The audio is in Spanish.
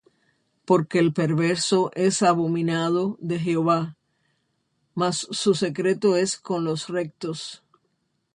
Porque el perverso es abominado de Jehová: Mas su secreto es con los rectos.